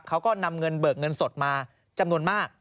เขาก็นำเงินเบิกเงินสดมาจำนวนมาก